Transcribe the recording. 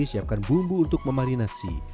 siapkan bumbu untuk memarinasi